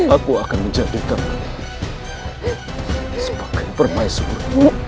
aku akan menjadikannya sebagai permaisur